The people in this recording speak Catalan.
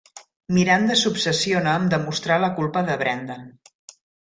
Miranda s'obsessiona amb demostrar la culpa de Brendan.